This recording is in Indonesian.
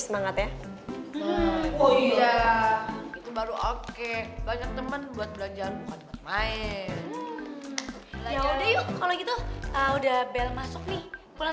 semangat ya oh iya itu baru oke banyak teman buat belajar main kalau gitu udah bel masuk nih pulang